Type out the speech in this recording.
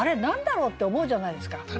何だろうって思うじゃないですか。